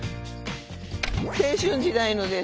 青春時代のです。